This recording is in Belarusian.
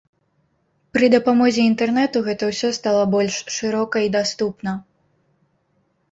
Пры дапамозе інтэрнэту гэта ўсё стала больш шырока і даступна.